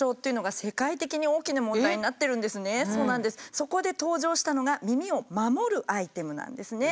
そこで登場したのが耳を守るアイテム？